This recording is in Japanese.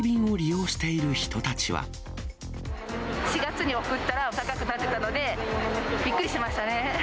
４月に送ったら、高くなってたので、びっくりしましたね。